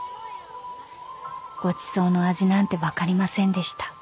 ［ごちそうの味なんて分かりませんでした］